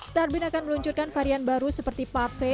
starbeam akan meluncurkan varian baru seperti parfait